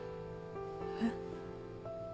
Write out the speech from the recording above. えっ？